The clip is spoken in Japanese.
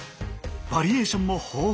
バリエーションも豊富。